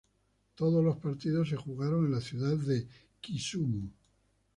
Todos los partidos se jugaron en la ciudad de Kisumu.